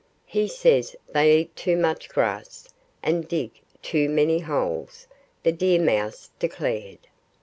"He says they eat too much grass, and dig too many holes," the deer mouse declared.